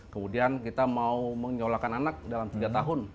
kemudian kita mau mengelolakan anak dalam tiga tahun